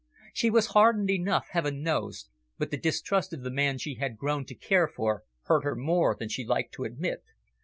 She was hardened enough, heaven knows, but the distrust of the man she had grown to care for hurt her more than she liked to admit.